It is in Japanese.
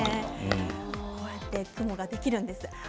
こうやって雲ができるんです。